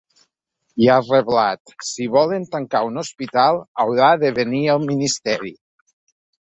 I ha reblat: ‘Si volen tancar un hospital, haurà de venir el ministeri’.